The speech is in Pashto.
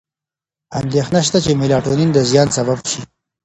اندېښنه شته چې میلاټونین د زیان سبب شي.